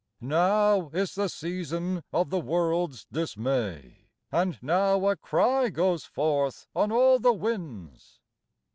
Now is the season of the world s dismay, And now a cry goes forth on all the winds.